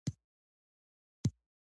که واده وي نو نسل نه ختمیږي.